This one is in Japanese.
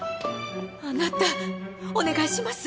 あなたお願いします。